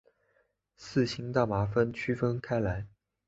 四氢大麻酚区分开来。